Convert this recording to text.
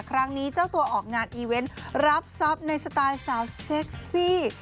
ครั้งนี้เจ้าตัวออกงานอีเวนต์รับทรัพย์ในสไตล์สาวเซ็กซี่